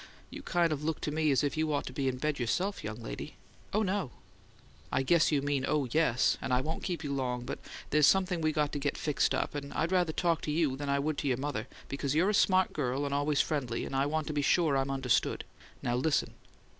You kind of look to me as if you ought to be in bed yourself, young lady." "Oh, no." "I guess you mean 'Oh, yes'; and I won't keep you long, but there's something we got to get fixed up, and I'd rather talk to you than I would to your mother, because you're a smart girl and always friendly; and I want to be sure I'm understood. Now, listen."